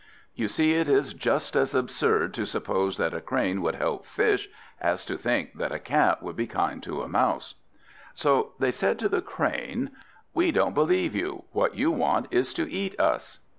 You see it is just as absurd to suppose that a crane would help fish, as to think that a cat would be kind to a mouse. So they said to the Crane, "We don't believe you; what you want is to eat us."